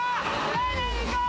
・丁寧にいこう！